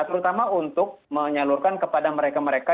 terutama untuk menyalurkan kepada mereka mereka